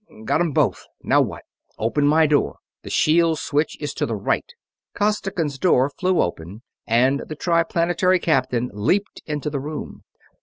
Got 'em both. Now what?" "Open my door the shield switch is to the right." Costigan's door flew open and the Triplanetary captain leaped into the room.